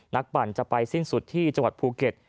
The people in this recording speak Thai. ปั่นจะไปสิ้นสุดที่จังหวัดภูเก็ต